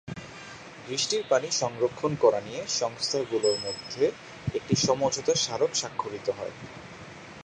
বৃষ্টির পানি সংরক্ষণ করা নিয়ে সংস্থাগুলোর মধ্যে একটি সমাঝোতা স্মারক স্বাক্ষরিত হয়।